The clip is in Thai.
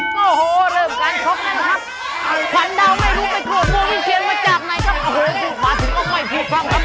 โอ้โหเริ่มการช็อคนั่นครับ